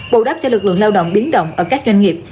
bù đắp cho lực lượng lao động biến động ở các doanh nghiệp